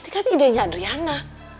ini kan idenya adriana